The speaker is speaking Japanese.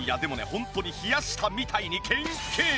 ホントに冷やしたみたいにキンキン！